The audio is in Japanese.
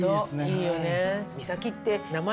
いいよね。